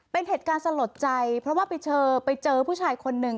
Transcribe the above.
เป็นเหตุการณ์สลดใจเพราะว่าไปเจอไปเจอผู้ชายคนหนึ่ง